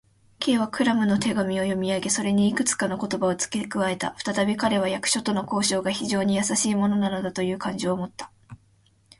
Ｋ はクラムの手紙を読みあげ、それにいくつかの言葉をつけ加えた。ふたたび彼は、役所との交渉が非常にやさしいものなのだという感情をもった。